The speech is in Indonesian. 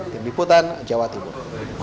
tim liputan jawa timur